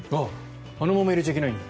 あのまま入れちゃいけないんだ。